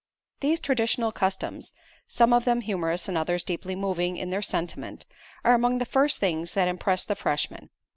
These traditional customs, some of them humorous, and others deeply moving in their sentiment, are among the first things that impress the freshman.